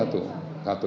satu cuma satu satu